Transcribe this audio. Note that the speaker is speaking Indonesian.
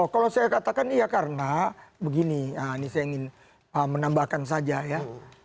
kalau saya katakan iya karena begini ini saya ingin menambahkan saja ya